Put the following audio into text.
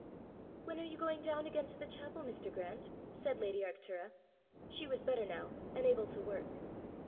"When are you going down again to the chapel, Mr. Grant?" said lady Arctura: she was better now, and able to work.